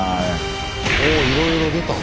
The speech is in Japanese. おいろいろ出たね。